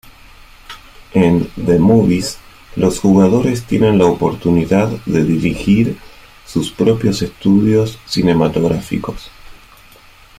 En "The Movies", los jugadores tienen la oportunidad de dirigir sus propios estudios cinematográficos.